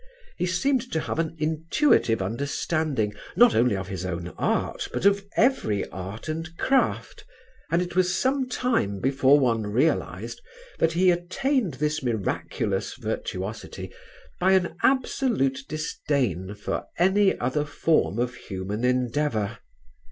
He seemed to have an intuitive understanding not only of his own art but of every art and craft, and it was some time before one realised that he attained this miraculous virtuosity by an absolute disdain for every other form of human endeavour.